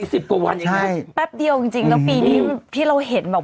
หมดละอีก๑๐กว่าวันอย่างนี้แป๊บเดียวจริงแล้วปีนี้ที่เราเห็น